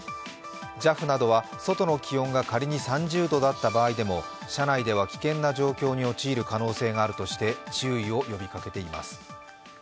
ＪＡＦなどは、外の気温が仮に３０度だった場合でも車内では危険な状況に陥る可能性があるとして、注意を呼びかけています。